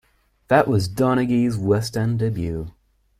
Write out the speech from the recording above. This was Donaghy's West End debut.